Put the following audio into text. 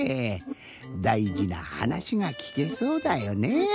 だいじなはなしがきけそうだよね。